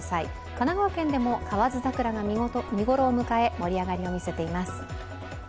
神奈川県でも河津桜が見頃を迎え盛り上がりを見せています。